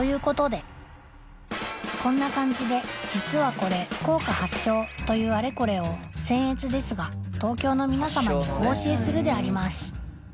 こんな感じで実はこれ福岡発祥というアレコレをせん越ですが東京の皆様にお教えするであります